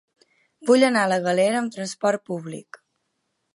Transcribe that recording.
Vull anar a la Galera amb trasport públic.